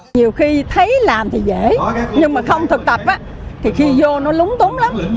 nhiều khi thấy làm thì dễ nhưng mà không thực tập thì khi vô nó lúng túng lắm